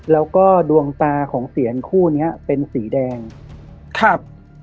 แล้วก็ดวงตาของเสียนคู่เนี้ยเป็นสีแดงครับ